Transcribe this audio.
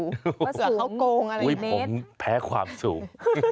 เหลือเขาโกงอะไรอย่างนี้ผมแพ้ความสูง